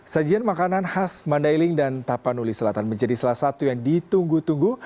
sajian makanan khas mandailing dan tapanuli selatan menjadi salah satu yang ditunggu tunggu